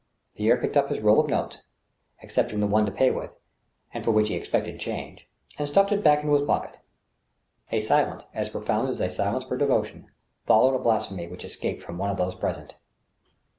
Pierre picked up his roll of notes, excepting the one to pay with, and for which he expected change, and stuffed it back into his pocket. A silence, as profound as a sUence for devotion, followed a blasphemy which escaped from one of those present.